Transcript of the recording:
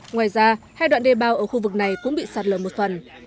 ngoài ra hai đoạn đê bao ở khu vực này cũng bị sạt lầm một tuần